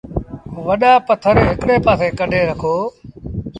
وڏآ پٿر هڪڙي پآسي ڪڍي رکو ۔